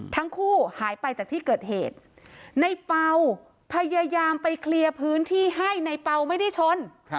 ทั้งคู่หายไปจากที่เกิดเหตุในเป่าพยายามไปเคลียร์พื้นที่ให้ในเปล่าไม่ได้ชน